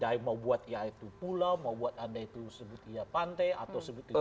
saya mau buat ya itu pulau mau buat anda itu sebut iya pantai atau sebut itu